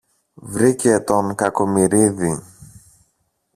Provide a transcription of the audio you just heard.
Βρήκε τον Κακομοιρίδη